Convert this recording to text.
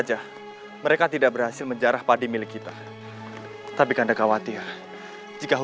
sampai jumpa di video selanjutnya